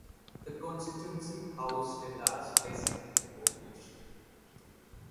The constituency housed a large Icelandic population.